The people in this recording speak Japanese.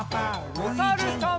おさるさん。